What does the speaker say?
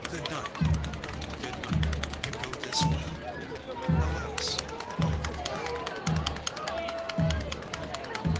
"Good night, good night. You go this way?" "Alas. I go that."